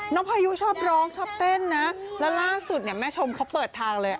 พายุชอบร้องชอบเต้นนะแล้วล่าสุดเนี่ยแม่ชมเขาเปิดทางเลย